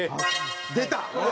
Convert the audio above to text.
出た！